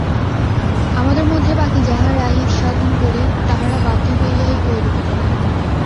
আমাদের মধ্যে বাকী যাহারা হিতসাধন করি, তাহারা বাধ্য হইয়াই ঐরূপ করি।